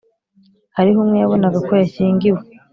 hariho umwe yabonaga ko yashyingiwe;